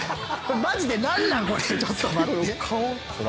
マジで何なん⁉これ！